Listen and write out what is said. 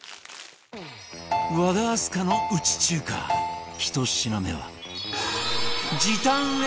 和田明日香のうち中華１品目は